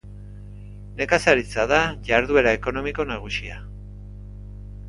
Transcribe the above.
Nekazaritza da jarduera ekonomiko nagusia.